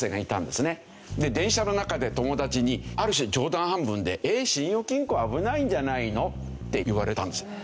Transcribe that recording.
で電車の中で友達にある種冗談半分で「信用金庫は危ないんじゃないの？」って言われたんです。